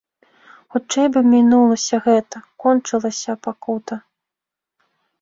Хутчэй бы мінулася гэта, кончылася пакута!